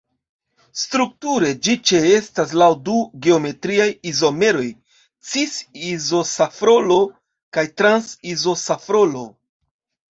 Strukture ĝi ĉeestas laŭ du geometriaj izomeroj, cis-izosafrolo kaj trans-izosafrolo.